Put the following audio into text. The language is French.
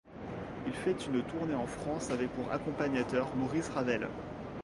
Il fait une tournée en France avec pour accompagnateur, Maurice Ravel.